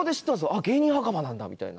あっ芸人墓場なんだみたいな。